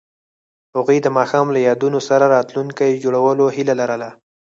هغوی د ماښام له یادونو سره راتلونکی جوړولو هیله لرله.